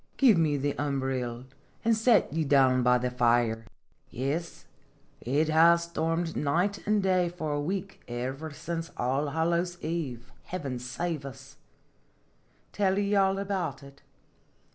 Give me the umbrill, an' sit ye down by the fire. Yes, 70 Singeir Jftottys. it has stormed night an' day for a week ever since Allhallows Eve, heaven save us 1 " Tell ye all about it?